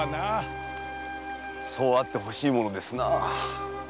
そうあってほしいものですな。